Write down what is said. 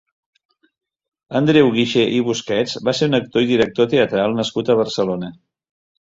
Andreu Guixer i Busquets va ser un actor i director teatral nascut a Barcelona.